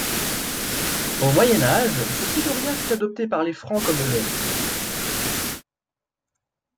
Au Moyen Âge, ce pied dorien fut adopté par les Francs comme le leur.